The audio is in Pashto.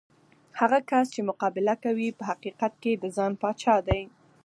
هغه کس چې مقابله کوي، په حقیقت کې د ځان پاچا دی.